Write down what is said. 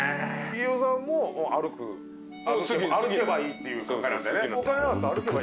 飯尾さんも歩く歩けばいいっていう考えなんだね。